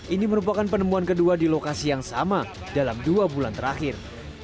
ini merupakan penemuan kedua di lokasi yang sama dalam dua bulan terakhir